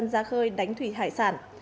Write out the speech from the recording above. ngư dân ra khơi đánh thủy hải sản